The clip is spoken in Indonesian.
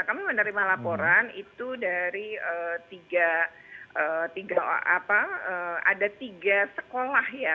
kami menerima laporan itu dari tiga sekolah ya